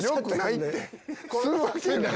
するわけない。